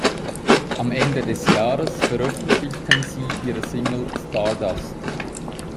Am Ende des Jahres veröffentlichten sie ihre Single "Stardust".